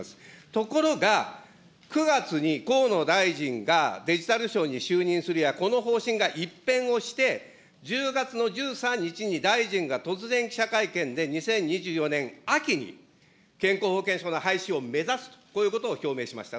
ところが９月に河野大臣がデジタル相に就任するや、この方針が一変をして、１０月の１３日に大臣が突然、記者会見で２０２４年秋に、健康保険証の廃止を目指す、こういうことを表明しました。